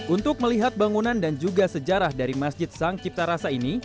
untuk melihat bangunan dan juga sejarah dari masjid sang cipta rasa ini